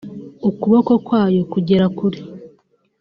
ukuboko kwayo kugera kure